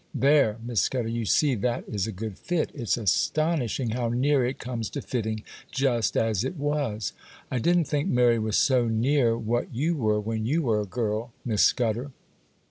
There, Miss Scudder, you see that is a good fit. It's astonishing how near it comes to fitting, just as it was. I didn't think Mary was so near what you were, when you were a girl, Miss Scudder.